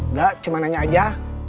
nggak cuma nanya aja